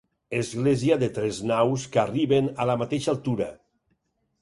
Església de tres naus que arriben a la mateixa altura.